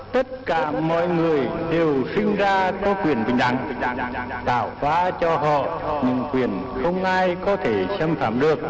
tất cả mọi người đều sinh ra có quyền bình đẳng tạo phá cho họ những quyền không ai có thể xem phạm được